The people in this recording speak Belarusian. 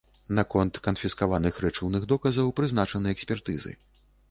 Наконт канфіскаваных рэчыўных доказаў прызначаны экспертызы.